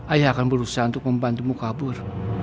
ayah akan berusaha untuk membantumu kabur